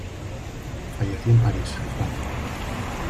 Falleció en París, Francia.